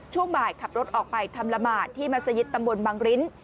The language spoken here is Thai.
ช่วงบ่ายขับรถออกไปทำละหมาดที่มัศยิตตำบลบังริ้น